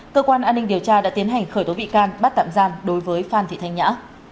cơ quan an ninh điều tra đã tiến hành khởi tố bị can bắt tạm giam đối với phan thị thanh nhã